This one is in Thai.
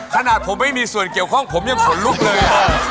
ขนาดผมไม่มีส่วนเกี่ยวข้องผมยังขนลุกเลย